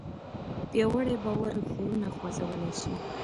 پیاوړی باور غرونه خوځولی شي.